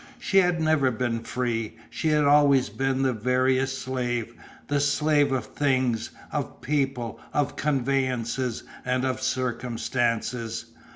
She had never been free, she had always been the veriest slave, the slave of things, of people, of convenances, and of circumstances.